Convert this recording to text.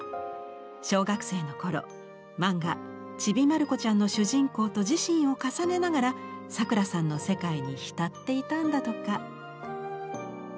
小学生の頃漫画「ちびまるこちゃん」の主人公と自身を重ねながらさくらさんの世界に浸っていたんだとか。